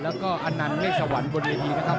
แล้วก็อันนั้นเมฆสวรรค์บนวีดีกันครับ